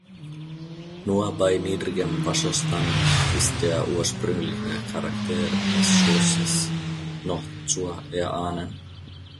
Nur bei niedrigem Wasserstand ist der ursprüngliche Charakter des Schlosses noch zu erahnen.